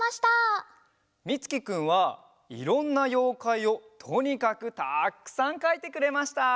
みつきくんはいろんなようかいをとにかくたくさんかいてくれました。